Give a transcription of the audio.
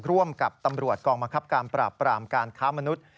ร่วมกับตำรวจกองบังคับการปราบปรามการค้ามนุษย์